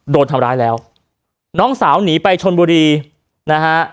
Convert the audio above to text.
โดนทำร้ายแล้วน้องสาวหนีไปชนบุรีนะฮะ